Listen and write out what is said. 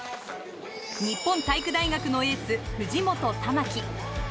日本体育大学のエース・藤本珠輝。